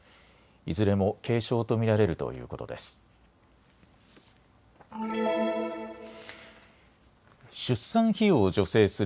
いずれも軽症と見られるということです。